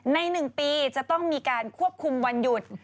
๑ปีจะต้องมีการควบคุมวันหยุด